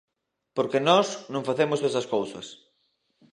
Porque nós non facemos esas cousas.